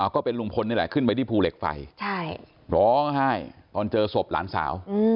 ก็เป็นลุงพลนี่แหละขึ้นไปที่ภูเหล็กไฟร้องไห้ตอนเจอศพหลานสาว